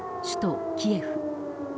首都キエフ。